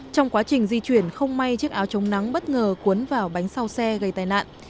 trong quá trình di chuyển không may chiếc áo chống nắng bất ngờ cuốn vào bánh sau xe gây tai nạn